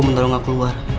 menolong aku keluar